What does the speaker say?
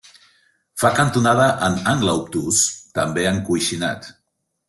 Fa cantonada en angle obtús, també encoixinat.